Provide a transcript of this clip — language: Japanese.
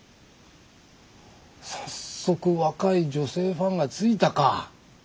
早速若い女性ファンがついたか。